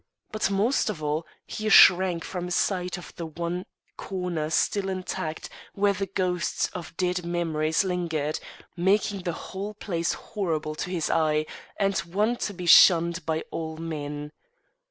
But, most of all, he shrank from a sight of the one corner still intact where the ghosts of dead memories lingered, making the whole place horrible to his eye and one to be shunned by all men.